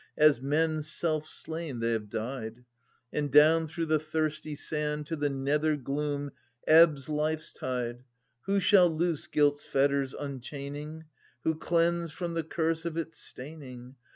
As men self slain they have died, And down through the thirsty sand To the nethergloom ebbs life's tide. Who shall loose guilt's fetters enchaining ? Who cleanse from the curse of its staining